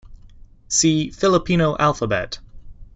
See Filipino alphabet.